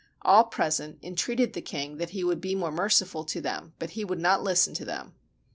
All present entreated the king that he would be more merciful to them, but he would not listen to them.